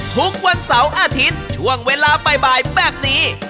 ทุกวันเสาร์อาทิตย์ช่วงเวลาบ่ายแบบนี้